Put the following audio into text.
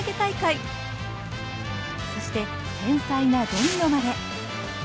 そして繊細なドミノまで！